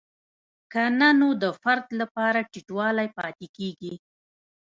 که نه نو د فرد لپاره ټیټوالی پاتې کیږي.